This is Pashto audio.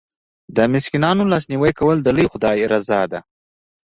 د مسکینانو لاسنیوی کول د لوی خدای رضا ده.